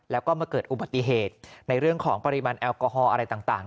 แล้วก็มาเกิดอุบัติเหตุในเรื่องของปริมาณแอลกอฮอล์อะไรต่าง